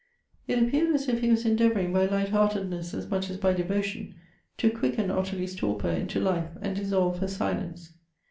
It appeared as if he was endeavoring, by light heartedness as much as by devotion, to quicken Ottilie's torpor into life, and dis solve her silence.